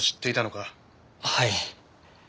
はい。